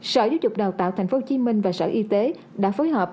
sở giáo dục đào tạo tp hcm và sở y tế đã phối hợp